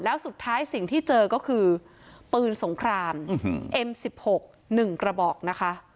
แล้วสุดท้ายสิ่งที่เจอก็คือปืนสงครามอืมเอ็มสิบหกหนึ่งกระบอกนะคะ